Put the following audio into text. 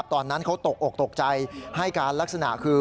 ตอนนั้นเขาตกอกตกใจให้การลักษณะคือ